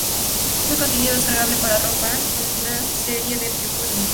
Es el contenido descargable para Rock Band, otra serie de videojuegos de música.